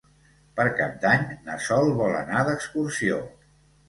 Per Cap d'Any na Sol vol anar d'excursió.